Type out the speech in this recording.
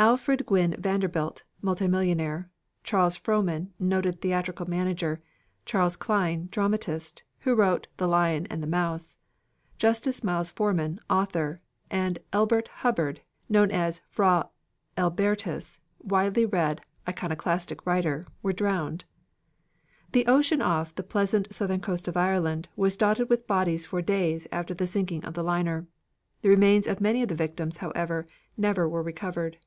Alfred Gwynne Vanderbilt, multimillionaire; Charles Frohman, noted theatrical manager; Charles Klein, dramatist, who wrote "The Lion and the Mouse;" Justus Miles Forman, author, and Elbert Hubbard, known as Fra Elbertus, widely read iconoclastic writer, were drowned. The ocean off the pleasant southern coast of Ireland was dotted with bodies for days after the sinking of the liner. The remains of many of the victims, however, never were recovered.